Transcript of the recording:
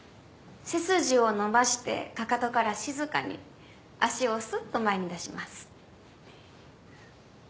背筋を伸ばしてかかとから静かに足をスッと前に出します。